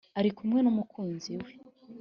ari kumwe nu mukunzi we